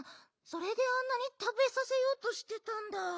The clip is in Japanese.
それであんなにたべさせようとしてたんだ。